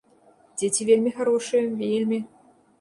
Дзеці вельмі харошыя, вельмі.